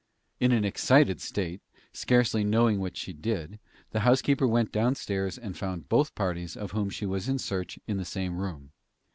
In an excited state, scarcely knowing what she did, the housekeeper went downstairs and found both parties of whom she was in search in the same room.